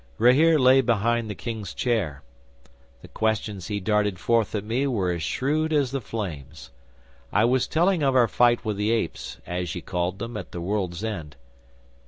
'Rahere lay behind the King's chair. The questions he darted forth at me were as shrewd as the flames. I was telling of our fight with the apes, as ye called them, at the world's end.